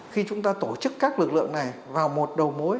khi chúng ta tổ chức các lực lượng này vào một đầu mối